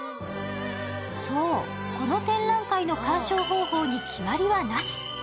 そう、この展覧会の鑑賞方法に決まりはなし。